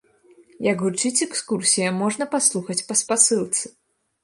Як гучыць экскурсія, можна паслухаць па спасылцы.